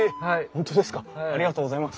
ありがとうございます。